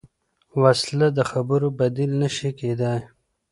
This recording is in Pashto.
وسله د خبرو بدیل نه شي کېدای